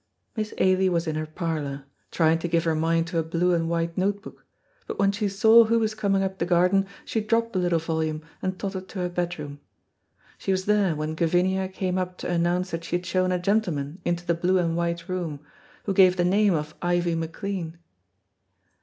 Miss Ailie was in her parlor, trying to give her mind to a blue and white note book, but when she saw who was coming up the garden she dropped the little volume and tottered to her bedroom. She was there when Gavinia came up to announce that she had shown a gentleman into the blue and white room, who gave the name of Ivie McLean.